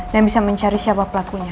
dan bisa mencari siapa pelakunya